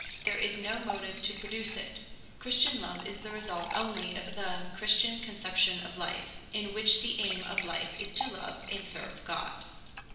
There is no motive to produce it. Christian love is the result only of the Christian conception of life, in which the aim of life is to love and serve God.